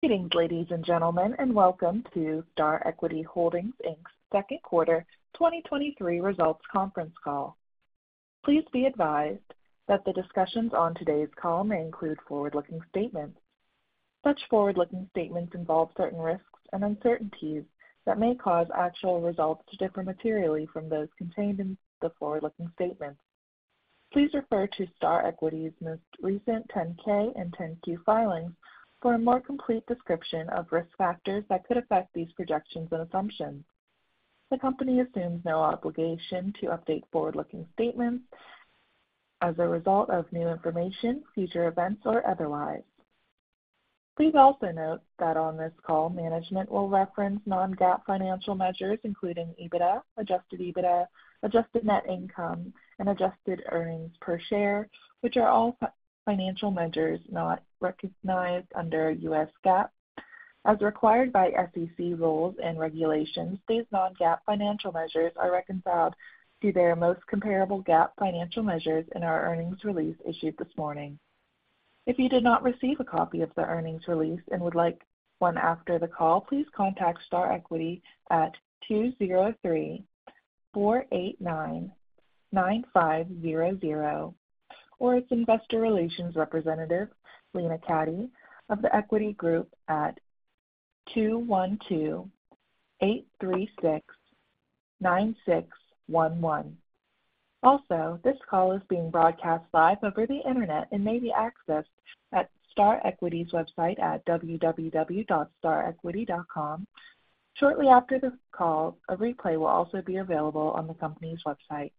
Greetings, ladies and gentlemen, and welcome to Star Equity Holdings, Inc.'s second quarter 2023 results conference call. Please be advised that the discussions on today's call may include forward-looking statements. Such forward-looking statements involve certain risks and uncertainties that may cause actual results to differ materially from those contained in the forward-looking statements. Please refer to Star Equity's most recent 10-K and 10-Q filings for a more complete description of risk factors that could affect these projections and assumptions. The company assumes no obligation to update forward-looking statements as a result of new information, future events, or otherwise. Please also note that on this call, management will reference non-GAAP financial measures, including EBITDA, adjusted EBITDA, adjusted net income, and adjusted earnings per share, which are all financial measures not recognized under U.S. GAAP. As required by SEC rules and regulations, these non-GAAP financial measures are reconciled to their most comparable GAAP financial measures in our earnings release issued this morning. If you did not receive a copy of the earnings release and would like one after the call, please contact Star Equity at 203-489-9500, or its investor relations representative, Lena Cati of The Equity Group, at 212-836-9611. Also, this call is being broadcast live over the internet and may be accessed at Star Equity's website at www.starequity.com. Shortly after this call, a replay will also be available on the company's website.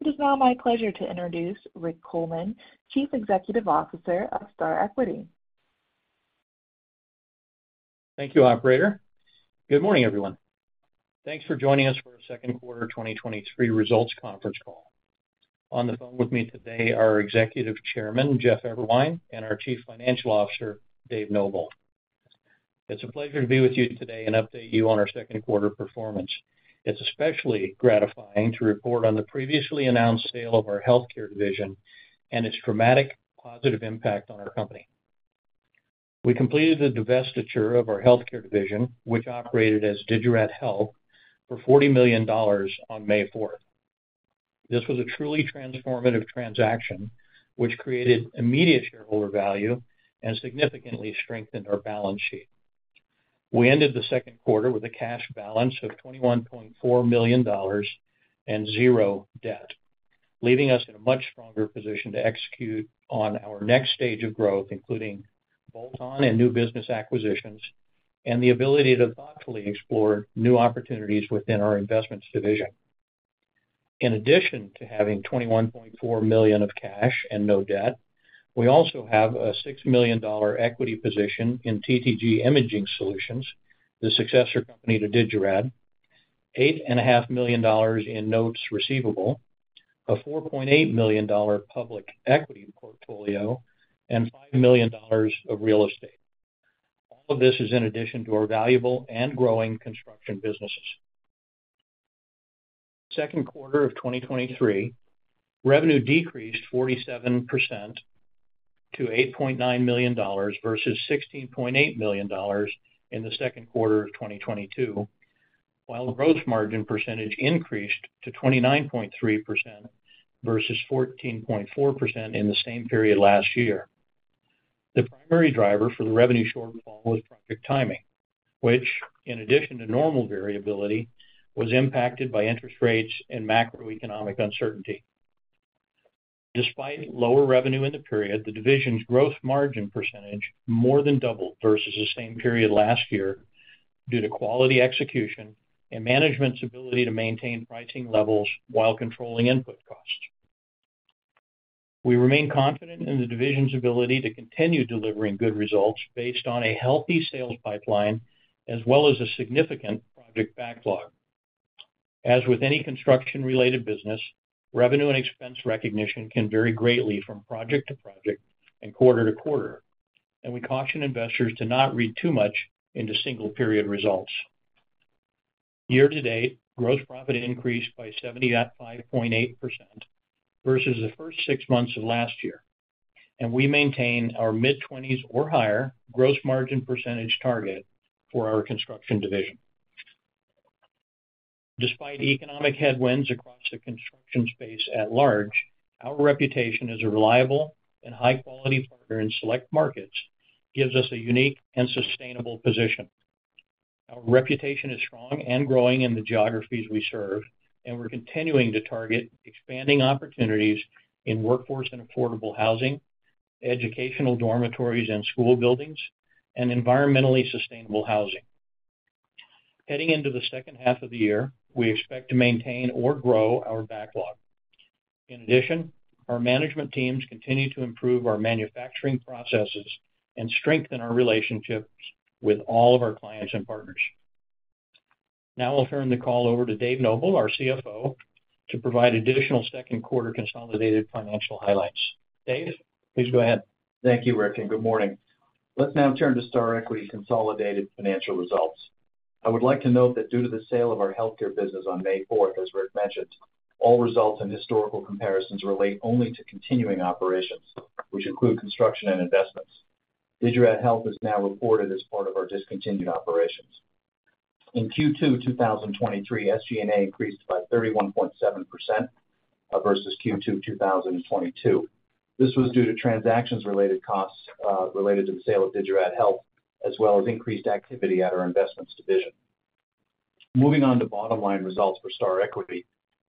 It is now my pleasure to introduce Rick Coleman, Chief Executive Officer of Star Equity. Thank you, operator. Good morning, everyone. Thanks for joining us for our second quarter 2023 results conference call. On the phone with me today are our Executive Chairman, Jeff Eberwein, and our Chief Financial Officer, Dave Noble. It's a pleasure to be with you today and update you on our second quarter performance. It's especially gratifying to report on the previously announced sale of our healthcare division and its dramatic positive impact on our company. We completed the divestiture of our healthcare division, which operated as Digirad Health, for $40 million on May fourth. This was a truly transformative transaction, which created immediate shareholder value and significantly strengthened our balance sheet. We ended the second quarter with a cash balance of $21.4 million and zero debt, leaving us in a much stronger position to execute on our next stage of growth, including bolt-on and new business acquisitions, and the ability to thoughtfully explore new opportunities within our investments division. In addition to having $21.4 million of cash and no debt, we also have a $6 million equity position in TTG Imaging Solutions, the successor company to Digirad, $8.5 million in notes receivable, a $4.8 million public equity portfolio, and $5 million of real estate. All of this is in addition to our valuable and growing construction businesses. Second quarter of 2023, revenue decreased 47% to $8.9 million versus $16.8 million in the second quarter of 2022, while the gross margin percentage increased to 29.3% versus 14.4% in the same period last year. The primary driver for the revenue shortfall was project timing, which, in addition to normal variability, was impacted by interest rates and macroeconomic uncertainty. Despite lower revenue in the period, the division's gross margin percentage more than doubled versus the same period last year due to quality execution and management's ability to maintain pricing levels while controlling input costs. We remain confident in the division's ability to continue delivering good results based on a healthy sales pipeline, as well as a significant project backlog. As with any construction-related business, revenue and expense recognition can vary greatly from project to project and quarter to quarter, and we caution investors to not read too much into single-period results. Year to date, gross profit increased by 75.8% versus the first six months of last year, and we maintain our mid-20s or higher gross margin % target for our construction division. Despite economic headwinds across the construction space at large, our reputation as a reliable and high-quality partner in select markets gives us a unique and sustainable position. Our reputation is strong and growing in the geographies we serve, and we're continuing to target expanding opportunities in workforce and affordable housing, educational dormitories and school buildings, and environmentally sustainable housing. Heading into the second half of the year, we expect to maintain or grow our backlog. In addition, our management teams continue to improve our manufacturing processes and strengthen our relationships with all of our clients and partners. Now I'll turn the call over to Dave Noble, our CFO, to provide additional second quarter consolidated financial highlights. Dave, please go ahead. Thank you, Rick. Good morning. Let's now turn to Star Equity consolidated financial results. I would like to note that due to the sale of our healthcare business on May fourth, as Rick mentioned, all results and historical comparisons relate only to continuing operations, which include construction and investments. Digirad Health is now reported as part of our discontinued operations. In Q2 2023, SG&A increased by 31.7% versus Q2 2022. This was due to transactions-related costs related to the sale of Digirad Health, as well as increased activity at our investments division. Moving on to bottom-line results for Star Equity,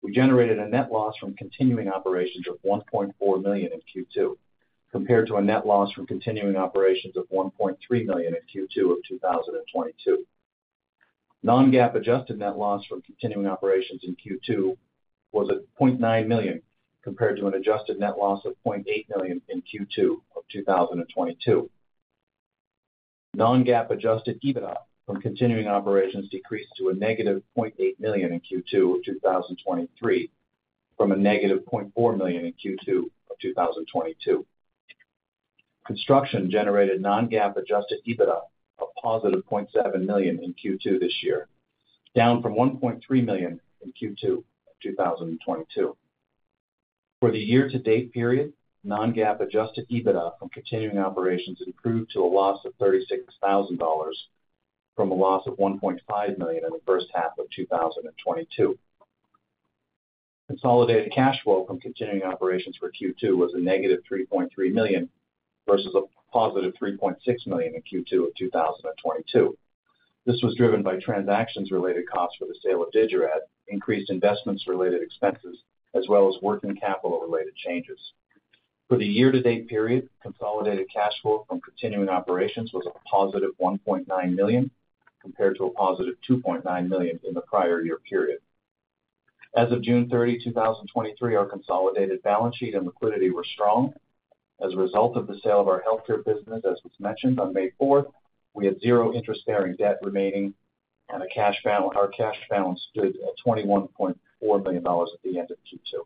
we generated a net loss from continuing operations of $1.4 million in Q2, compared to a net loss from continuing operations of $1.3 million in Q2 of 2022. Non-GAAP adjusted net loss from continuing operations in Q2 was at $0.9 million, compared to an adjusted net loss of $0.8 million in Q2 of 2022. non-GAAP adjusted EBITDA from continuing operations decreased to a negative $0.8 million in Q2 of 2023, from a negative $0.4 million in Q2 of 2022. Construction generated non-GAAP adjusted EBITDA of positive $0.7 million in Q2 this year, down from $1.3 million in Q2 of 2022. For the year-to-date period, non-GAAP adjusted EBITDA from continuing operations improved to a loss of $36,000, from a loss of $1.5 million in the first half of 2022. Consolidated cash flow from continuing operations for Q2 was a negative $3.3 million, versus a positive $3.6 million in Q2 of 2022. This was driven by transactions-related costs for the sale of Digirad, increased investments-related expenses, as well as working capital-related changes. For the year-to-date period, consolidated cash flow from continuing operations was a positive $1.9 million, compared to a positive $2.9 million in the prior year period. As of June 30, 2023, our consolidated balance sheet and liquidity were strong. As a result of the sale of our healthcare business, as was mentioned on May 4, we have zero interest-bearing debt remaining, and our cash balance stood at $21.4 million at the end of Q2.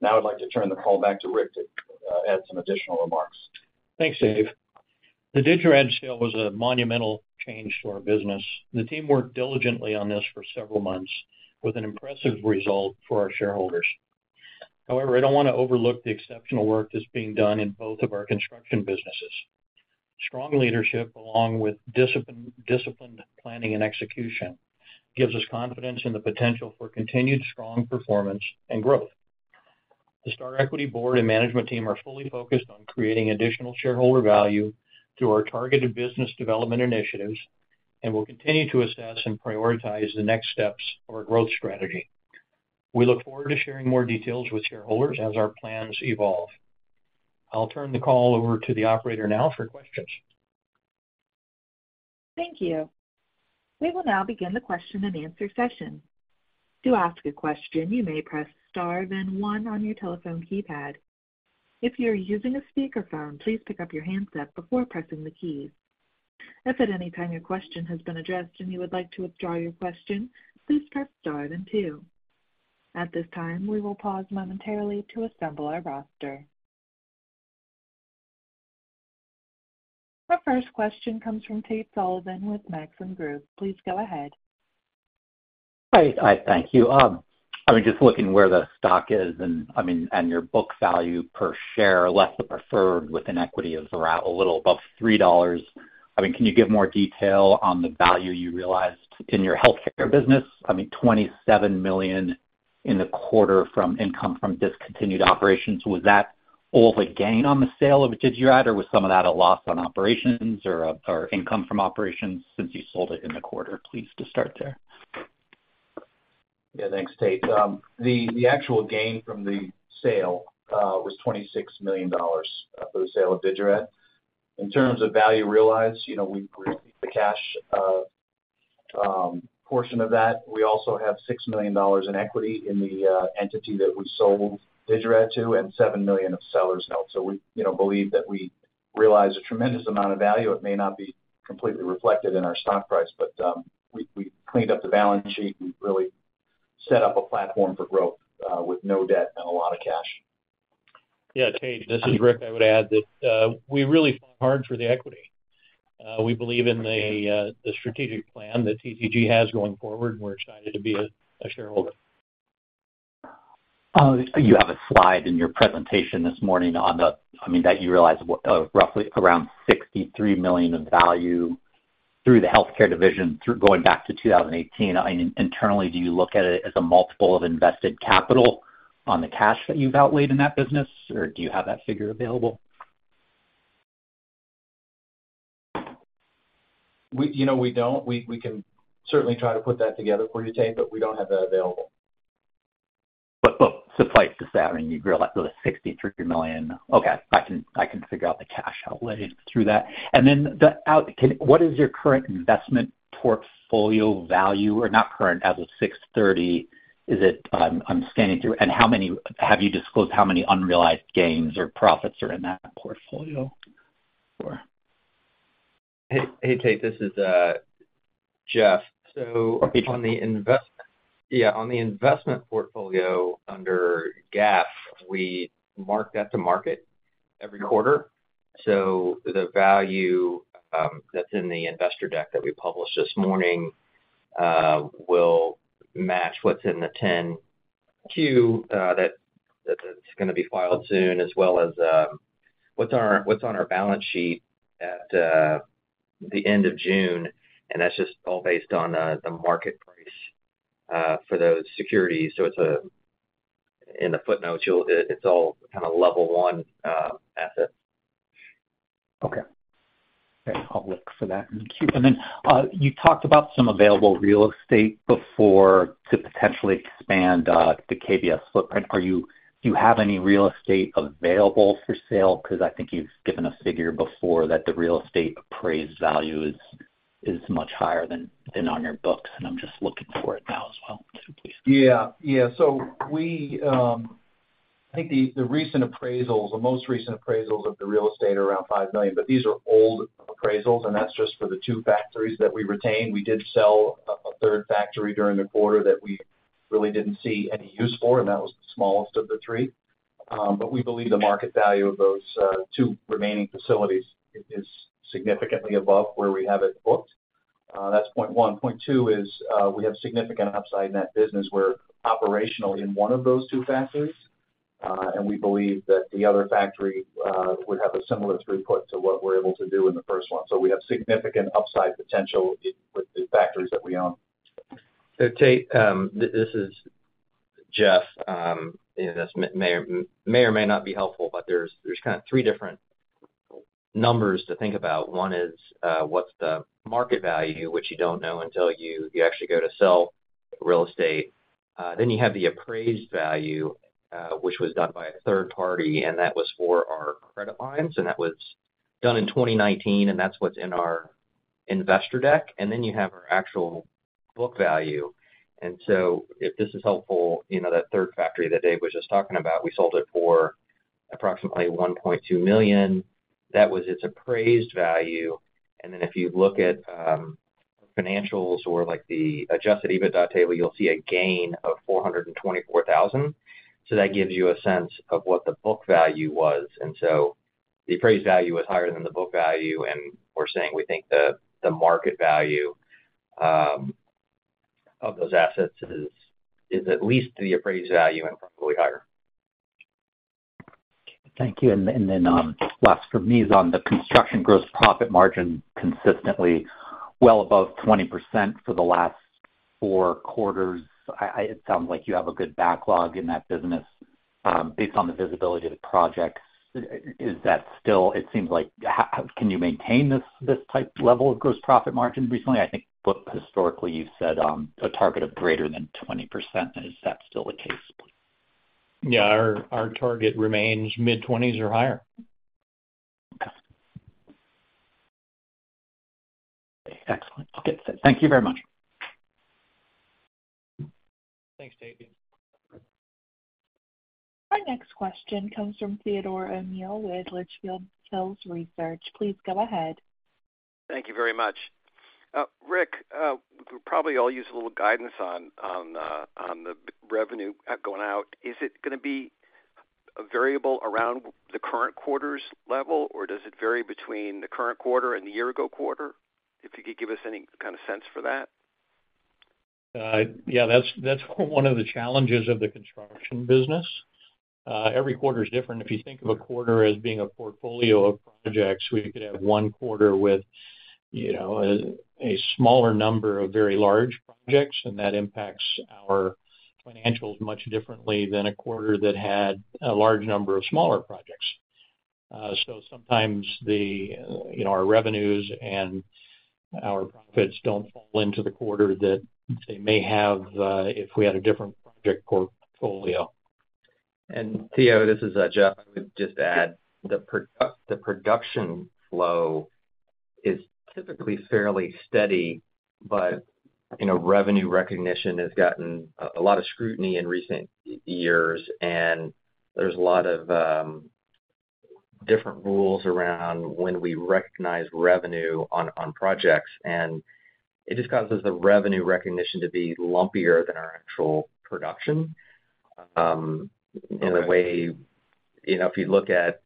Now I'd like to turn the call back to Rick to add some additional remarks. Thanks, Dave. The Digirad sale was a monumental change to our business. The team worked diligently on this for several months, with an impressive result for our shareholders. However, I don't want to overlook the exceptional work that's being done in both of our construction businesses. Strong leadership, along with disciplined planning and execution, gives us confidence in the potential for continued strong performance and growth. The Star Equity board and management team are fully focused on creating additional shareholder value through our targeted business development initiatives, and we'll continue to assess and prioritize the next steps for our growth strategy. We look forward to sharing more details with shareholders as our plans evolve. I'll turn the call over to the operator now for questions. Thank you. We will now begin the question and answer session. To ask a question, you may press star, then 1 on your telephone keypad. If you are using a speakerphone, please pick up your handset before pressing the keys. If at any time your question has been addressed and you would like to withdraw your question, please press star then 2. At this time, we will pause momentarily to assemble our roster. Our first question comes from Tate Sullivan with Maxim Group. Please go ahead. Hi. Hi, thank you. I mean, just looking where the stock is and, I mean, and your book value per share, less the preferred with an equity, is around a little above $3. I mean, can you give more detail on the value you realized in your healthcare business? I mean, $27 million in the quarter from income from discontinued operations. Was that all the gain on the sale of Digirad, or was some of that a loss on operations or, or income from operations since you sold it in the quarter? Please, just start there. Yeah, thanks, Tate. The actual gain from the sale was $26 million for the sale of Digirad. In terms of value realized, you know, we received the cash portion of that. We also have $6 million in equity in the entity that we sold Digirad to, and $7 million of sellers' notes. We, you know, believe that we realized a tremendous amount of value. It may not be completely reflected in our stock price, but we, we cleaned up the balance sheet. We really set up a platform for growth with no debt and a lot of cash. Yeah, Tate, this is Rick. I would add that we really fought hard for the equity. We believe in the strategic plan that TTG has going forward, and we're excited to be a shareholder. You have a slide in your presentation this morning on the... that you realized, roughly around $63 million of value through the healthcare division, through going back to 2018. Internally, do you look at it as a multiple of invested capital on the cash that you've outlaid in that business, or do you have that figure available? We, you know, we don't. We, we can certainly try to put that together for you, Tate, but we don't have that available. But suffice to say, I mean, you grew up to $63 million. Okay, I can, I can figure out the cash outlaid through that. What is your current investment portfolio value, or not current, as of 6/30? Is it, I'm scanning through... How many, have you disclosed how many unrealized gains or profits are in that portfolio for? Hey, hey, Tate, this is Jeff. On the investment... Yeah, on the investment portfolio under GAAP, we mark that to market every quarter. The value that's in the investor deck that we published this morning will match what's in the 10-Q that's gonna be filed soon, as well as what's on our balance sheet at the end of June. That's just all based on the market price for those securities. In the footnotes, you'll, it's all kind of Level 1 asset. Okay. Great, I'll look for that in the Q. Then, you talked about some available real estate before to potentially expand the KBS footprint. Do you have any real estate available for sale? Because I think you've given a figure before that the real estate appraised value is, is much higher than, than on your books, and I'm just looking for it now as well, too, please. Yeah. Yeah. We, I think the, the recent appraisals, the most recent appraisals of the real estate are around $5 million, but these are old appraisals, and that's just for the 2 factories that we retained. We did sell a 3rd factory during the quarter that we really didn't see any use for, and that was the smallest of the 3. We believe the market value of those 2 remaining facilities is significantly above where we have it booked. That's point 1. Point 2 is, we have significant upside in that business. We're operational in 1 of those 2 factories, we believe that the other factory would have a similar throughput to what we're able to do in the 1st 1. We have significant upside potential with the factories that we own. Tate, this is Jeff. This may or, may or may not be helpful, but there's, there's kind of three different numbers to think about. One is, what's the market value, which you don't know until you, you actually go to sell real estate. Then you have the appraised value, which was done by a third party, and that was for our credit lines, and that was done in 2019, and that's what's in our investor deck. Then you have our actual book value. If this is helpful, you know, that third factory that Dave was just talking about, we sold it for approximately $1.2 million. That was its appraised value. Then if you look at, financials or like the adjusted EBITDA table, you'll see a gain of $424,000. That gives you a sense of what the book value was. The appraised value was higher than the book value, and we're saying we think the, the market value of those assets is, is at least the appraised value and probably higher. Thank you. Then, last for me is on the construction gross profit margin consistently well above 20% for the last 4 quarters. It sounds like you have a good backlog in that business, based on the visibility of the projects. It seems like, can you maintain this type level of gross profit margin recently? I think historically, you've said, a target of greater than 20%. Is that still the case? Yeah, our, our target remains mid-twenties or higher. Okay. Excellent. Thank you very much. Thanks, David. Our next question comes from Theodore O'Neill with Litchfield Hills Research. Please go ahead. Thank you very much. Rick, we could probably all use a little guidance on, on, on the revenue going out. Is it gonna be a variable around the current quarter's level, or does it vary between the current quarter and the year ago quarter? If you could give us any kind of sense for that. Yeah, that's, that's one of the challenges of the construction business. Every quarter is different. If you think of a quarter as being a portfolio of projects, we could have one quarter with, you know, a, a smaller number of very large projects, and that impacts our financials much differently than a quarter that had a large number of smaller projects. Sometimes the, you know, our revenues and our profits don't fall into the quarter that they may have, if we had a different project portfolio. Theo, this is Jeff. I would just add, the production flow is typically fairly steady, but, you know, revenue recognition has gotten a, a lot of scrutiny in recent years, and there's a lot of different rules around when we recognize revenue on, on projects, and it just causes the revenue recognition to be lumpier than our actual production. In a way, you know, if you look at,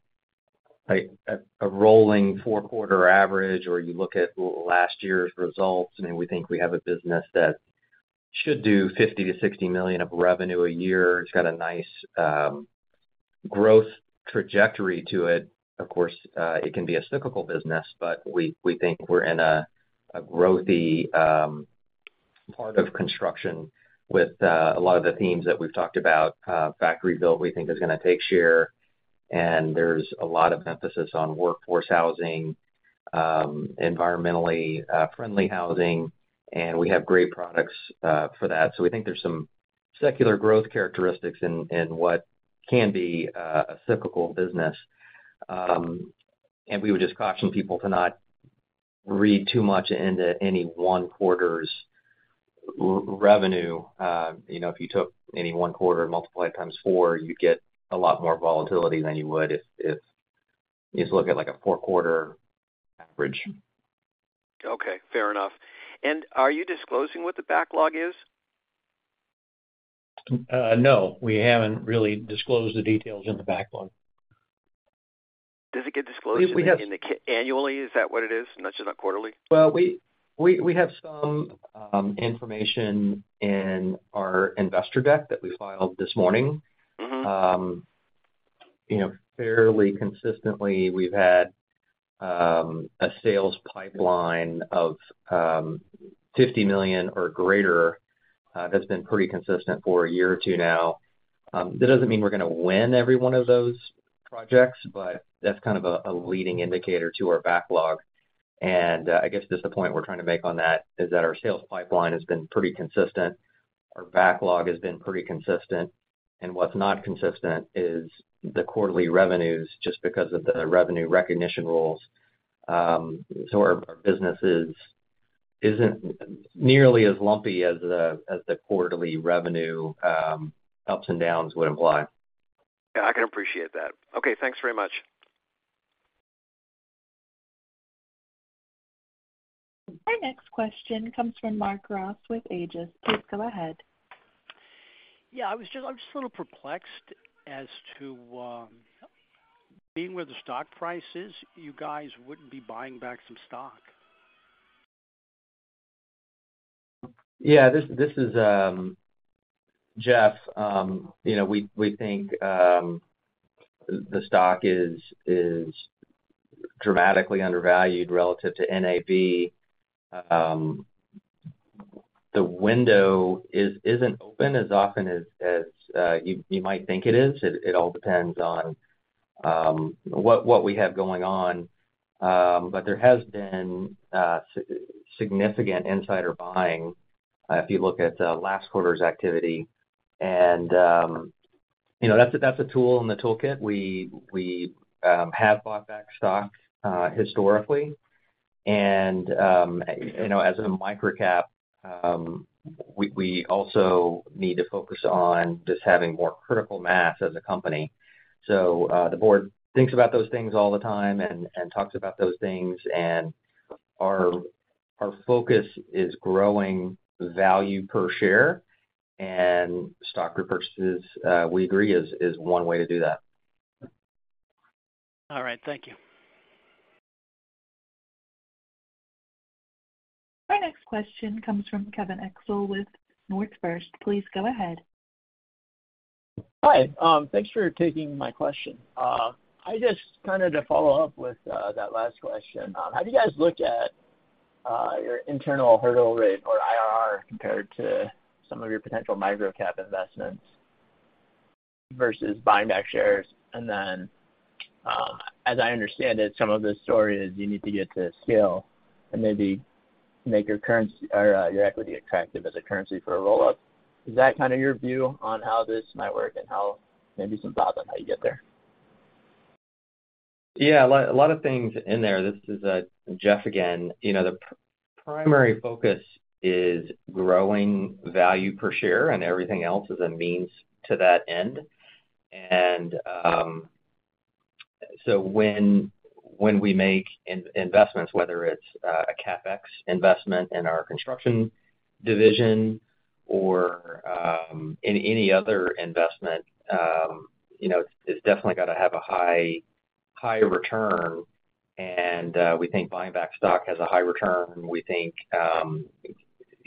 like, a, a rolling four-quarter average or you look at last year's results, I mean, we think we have a business that should do $50 million-$60 million of revenue a year. It's got a nice growth trajectory to it. Of course, it can be a cyclical business, but we, we think we're in a, a growthy part of construction with a lot of the themes that we've talked about. Factory build, we think, is gonna take share, and there's a lot of emphasis on workforce housing, environmentally friendly housing, and we have great products for that. We think there's some secular growth characteristics in what can be a cyclical business. We would just caution people to not read too much into any one quarter's revenue. You know, if you took any one quarter and multiply it times four, you'd get a lot more volatility than you would if, if you just look at, like, a four-quarter average. Okay, fair enough. Are you disclosing what the backlog is? No, we haven't really disclosed the details in the backlog. Does it get disclosed in the annually? Is that what it is, not just on quarterly? Well, we, we, we have some information in our investor deck that we filed this morning. Mm-hmm. You know, fairly consistently, we've had a sales pipeline of $50 million or greater. That's been pretty consistent for a year or two now. That doesn't mean we're gonna win every one of those projects, but that's kind of a leading indicator to our backlog. I guess just the point we're trying to make on that is that our sales pipeline has been pretty consistent. Our backlog has been pretty consistent, and what's not consistent is the quarterly revenues, just because of the revenue recognition rules. Our business is, isn't nearly as lumpy as the, as the quarterly revenue ups and downs would imply. Yeah, I can appreciate that. Okay, thanks very much. Our next question comes from Mark Ross with Aegis. Please go ahead. Yeah, I was just, I'm just a little perplexed as to, being where the stock price is, you guys wouldn't be buying back some stock. Yeah, this, this is Jeff. You know, we, we think the stock is, is dramatically undervalued relative to NAV. The window is, isn't open as often as, as you, you might think it is. It, it all depends on what, what we have going on. There has been sig- significant insider buying, if you look at last quarter's activity. You know, that's a, that's a tool in the toolkit. We, we have bought back stock historically. You know, as a micro-cap, we, we also need to focus on just having more critical mass as a company. The board thinks about those things all the time and, and talks about those things. Our, our focus is growing value per share, and stock repurchases, we agree, is, is 1 way to do that. All right. Thank you. Our next question comes from Kevin Exle with Aegis. Please go ahead. Hi, thanks for taking my question. I just kind of to follow up with that last question. How do you guys look at your internal hurdle rate or IRR compared to some of your potential micro-cap investments versus buying back shares? Then, as I understand it, some of the story is you need to get to scale and maybe make your currency or your equity attractive as a currency for a rollout. Is that kind of your view on how this might work and how maybe some thoughts on how you get there? Yeah, a lot, a lot of things in there. This is Jeff again. You know, the primary focus is growing value per share, and everything else is a means to that end. So when, when we make investments, whether it's a CapEx investment in our construction division or in any other investment, you know, it's definitely gonna have a high, higher return. We think buying back stock has a high return. We think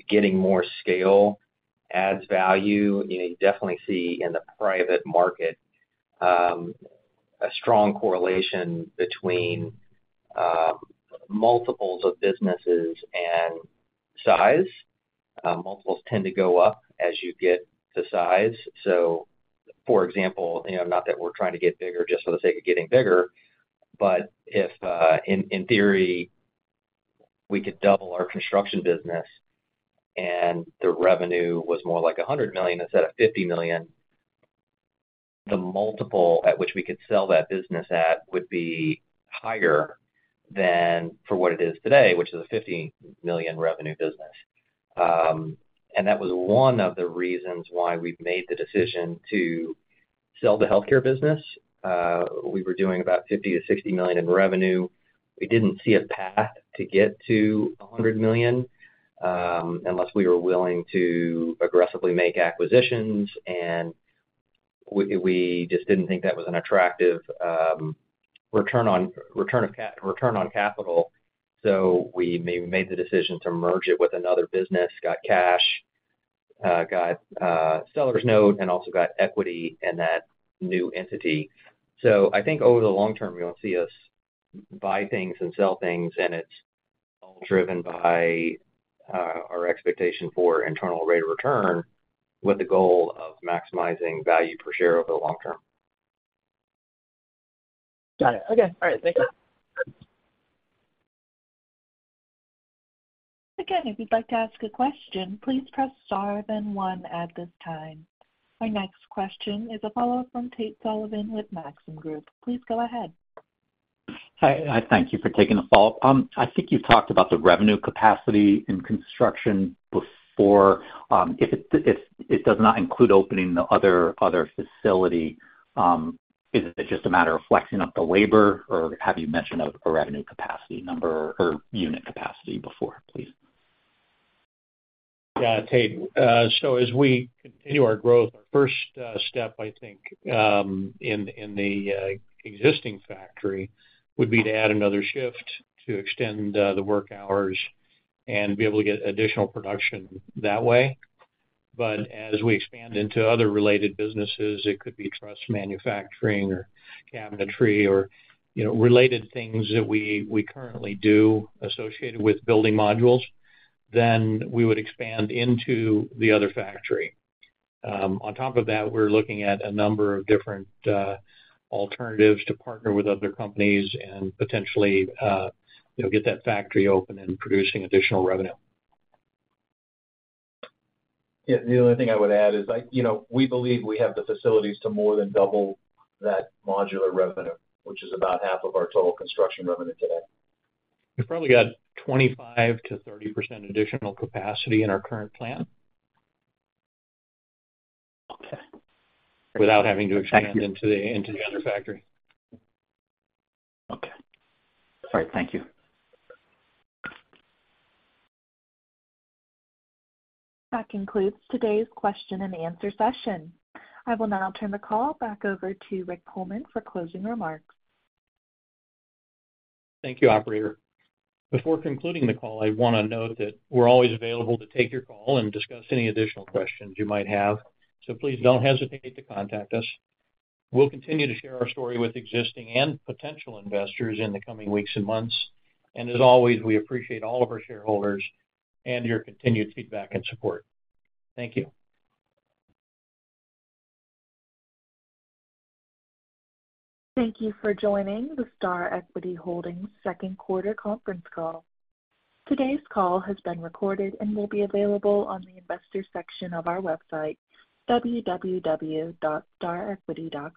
getting more scale adds value. You know, you definitely see in the private market, a strong correlation between multiples of businesses and size. Multiples tend to go up as you get to size. For example, you know, not that we're trying to get bigger just for the sake of getting bigger, but if, in, in theory, we could double our construction business and the revenue was more like $100 million instead of $50 million, the multiple at which we could sell that business at would be higher than for what it is today, which is a $50 million revenue business. That was one of the reasons why we made the decision to sell the healthcare business. We were doing about $50 million-$60 million in revenue. We didn't see a path to get to $100 million unless we were willing to aggressively make acquisitions, and we, we just didn't think that was an attractive return on capital. We made the decision to merge it with another business, got cash, got a seller's note, and also got equity in that new entity. I think over the long term, you're gonna see us buy things and sell things, and it's all driven by our expectation for internal rate of return, with the goal of maximizing value per share over the long term. Got it. Okay. All right. Thank you. Again, if you'd like to ask a question, please press Star then 1 at this time. Our next question is a follow-up from Tate Sullivan with Maxim Group. Please go ahead. Hi, I thank you for taking the follow-up. I think you talked about the revenue capacity in construction before. If it does not include opening the other, other facility, is it just a matter of flexing up the labor, or have you mentioned a revenue capacity number or unit capacity before, please? Yeah, Tate, as we continue our growth, our first step, I think, in, in the existing factory would be to add another shift to extend the work hours and be able to get additional production that way. As we expand into other related businesses, it could be trust manufacturing or cabinetry or, you know, related things that we, we currently do associated with building modules, then we would expand into the other factory. On top of that, we're looking at a number of different alternatives to partner with other companies and potentially, you know, get that factory open and producing additional revenue. Yeah, the only thing I would add is you know, we believe we have the facilities to more than double that modular revenue, which is about half of our total construction revenue today. We've probably got 25%-30% additional capacity in our current plan. Okay. Without having to expand into the other factory. Okay. All right, thank you. That concludes today's question and answer session. I will now turn the call back over to Rick Coleman for closing remarks. Thank you, operator. Before concluding the call, I want to note that we're always available to take your call and discuss any additional questions you might have, so please don't hesitate to contact us. We'll continue to share our story with existing and potential investors in the coming weeks and months. As always, we appreciate all of our shareholders and your continued feedback and support. Thank you. Thank you for joining the Star Equity Holdings second quarter conference call. Today's call has been recorded and will be available on the Investors section of our website, www.starequity.com.